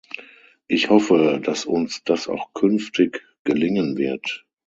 Ich hoffe, dass uns das auch künftig gelingen wird.